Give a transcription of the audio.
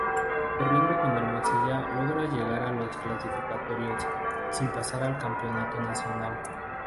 Corriendo con Hermosilla logra llegar a los clasificatorios, sin pasar al Campeonato Nacional.